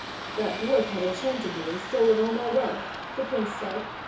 "That dwarf had enchanted me and stolen all my wealth," the prince said.